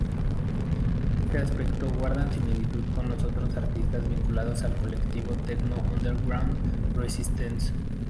En ese aspecto guardan similitud con otros artistas vinculados al colectivo techno Underground Resistance.